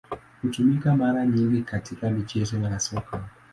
Hutumika mara nyingi katika michezo ya Soka.